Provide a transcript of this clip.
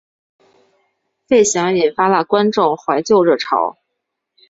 费翔引发了观众怀旧热潮。